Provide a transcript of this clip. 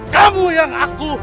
kamu yang aku